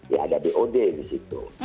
ya ada dod di situ